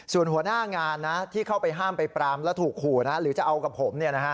ส่วนหัวหน้างานที่เข้าไปห้ามไปปรามแล้วถูกขู่นะหรือจะเอากับผม